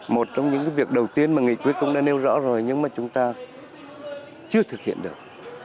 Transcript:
một trong những việc đầu tiên mà nghị quyết cũng đã nêu rõ rồi nhưng mà chúng ta chưa thực hiện được